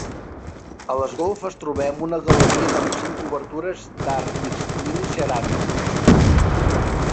A les golfes trobem una galeria amb cinc obertures d'arc mixtilini ceràmic.